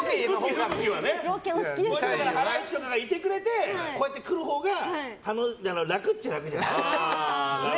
ハライチとかがいてくれてこうやって来るほうが楽っちゃ楽じゃない。